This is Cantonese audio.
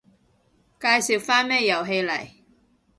介紹返咩遊戲嚟